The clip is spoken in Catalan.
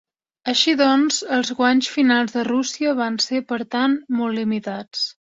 Així doncs, els guanys finals de Rússia van ser, per tant, molt limitats.